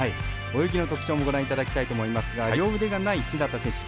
泳ぎの特徴もご覧いただきたいと思いますが両腕がない日向選手